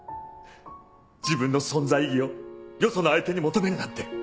自分の存在意義をよその相手に求めるなんて。